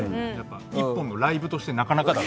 １本のライブとしてなかなかだった。